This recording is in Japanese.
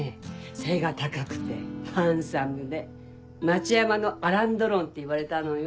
背が高くてハンサムで町山のアラン・ドロンっていわれたのよ。